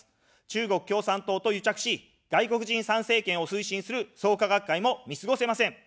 中国共産党と癒着し、外国人参政権を推進する創価学会も見過ごせません。